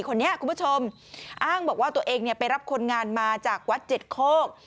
คุณผู้ชมอ้างบอกว่าตัวเองเนี่ยไปรับคนงานมาจากวัดเจ็ดโคก